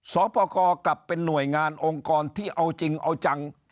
สอบประกอบกลับเป็นหน่วยงานองค์กรที่เอาจริงเอาจัง